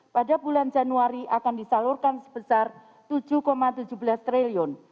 pada bulan januari akan disalurkan sebesar rp tujuh tujuh belas triliun